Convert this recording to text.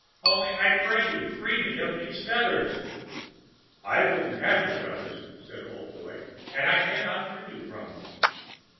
Only, I pray you, free me of these feathers!" "I wouldn't have your feathers," said Old Boy, "and I cannot free you of them.